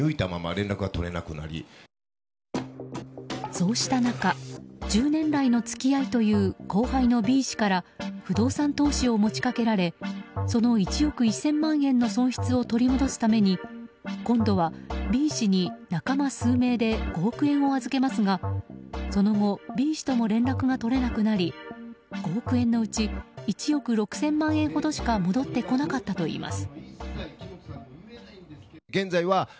そうした中１０年来の付き合いという後輩のＢ氏から不動産投資を持ち掛けられその１億１０００万円の損失を取り戻すために今度は、Ｂ氏に仲間数名で５億円を預けますが、その後Ｂ氏とも連絡が取れなくなり５億円のうち１億６０００万円ほどしか戻ってこなかったといいます。